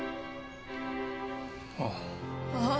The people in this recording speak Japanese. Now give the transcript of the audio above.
ああ。